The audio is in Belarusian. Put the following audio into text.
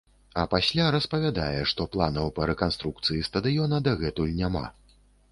А пасля распавядае, што планаў па рэканструкцыі стадыёна дагэтуль няма.